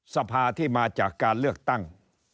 สภาที่มาจากการเลือกตั้ง